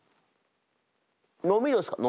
飲みどうですか？